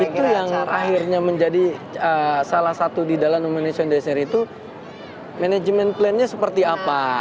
karena kalau ada yang akhirnya menjadi salah satu di dalam managing director itu manajemen plannya seperti apa